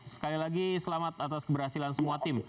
sekali lagi selamat atas keberhasilan semua tim